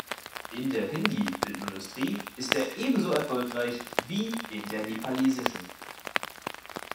In der Hindi-Filmindustrie ist er ebenso erfolgreich wie in der nepalesischen.